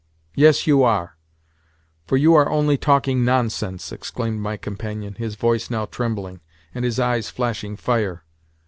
"Yes, you are, for you are only talking nonsense!" exclaimed my companion—his voice now trembling and his eyes flashing fire.